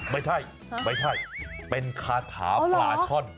ไม่ใช่เป็นคาถาปลาช่อน